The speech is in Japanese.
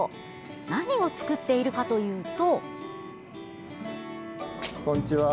何を作っているかというと。